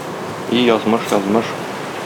И язмыш, язмыш!